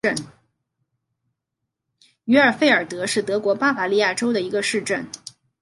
于尔费尔德是德国巴伐利亚州的一个市镇。